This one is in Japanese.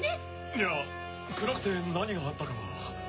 いや暗くて何があったかは。